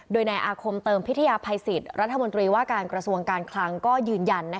โดยนายอาคมเติมพิทยาภัยสิทธิ์รัฐมนตรีว่าการกระทรวงการคลังก็ยืนยัน